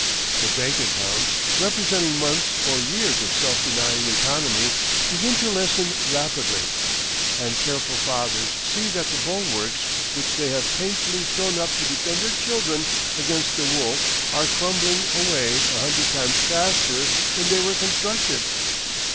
The bank accounts, representing months or years of self denying economy, begin to lessen rapidly, and careful fathers see that the bulwarks which they have painfully thrown up to defend their children against the wolf are crumbling away a hundred times faster than they were constructed.